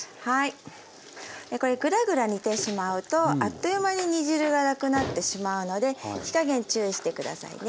これグラグラ煮てしまうとあっという間に煮汁がなくなってしまうので火加減注意して下さいね。